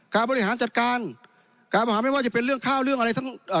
การบริหารจัดการการบริหารไม่ว่าจะเป็นเรื่องข้าวเรื่องอะไรทั้งเอ่อ